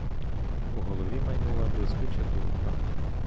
У голові майнула блискуча думка.